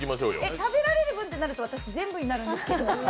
食べられる分となると、私、全部になるんですけど？